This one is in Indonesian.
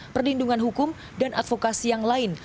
perlindungan hukum dan advokasi yang lain